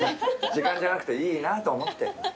時間じゃなくていいなと思って。